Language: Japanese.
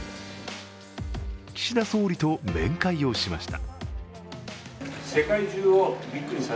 岸田総理と面会をしました。